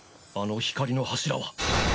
あの光の柱は。